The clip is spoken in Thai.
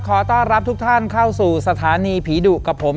ขอต้อนรับทุกท่านเข้าสู่สถานีผีดุกับผม